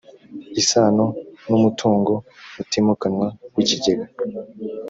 isano n umutungo utimukanwa w ikigega